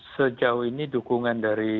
sejauh ini dukungan dari